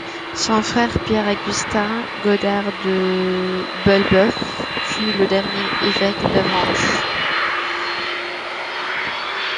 Son frère, Pierre-Augustin Godart de Belbeuf, fut le dernier évêque d'Avranches.